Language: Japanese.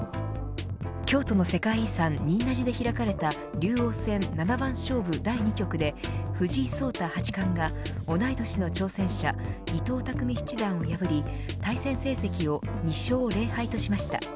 京都の世界遺産・仁和寺で開かれた竜王戦七番勝負第２局で藤井聡太八冠が同い年の挑戦者伊藤匠七段を破り対戦成績を２勝０敗としました。